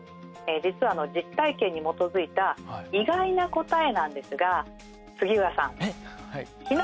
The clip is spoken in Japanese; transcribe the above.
実は実体験に基づいた意外な答えなんですが杉浦さん。えっ？